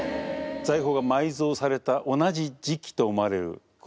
財宝が埋蔵された同じ時期と思われる頃にですね